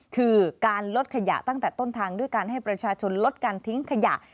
คือการลดขยะตั้งแต่ต้นทางด้วยการให้ประชาชนลดการทิ้งขยะ